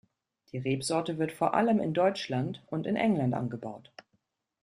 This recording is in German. Die Rebsorte wird vor allem in Deutschland und in England angebaut.